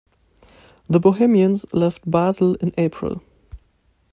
The Bohemians left Basel in April.